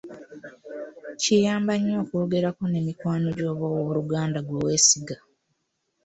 Kiyamba nnyo okwogerako ne mikwano gyo oba owooluganda gwe weesiga.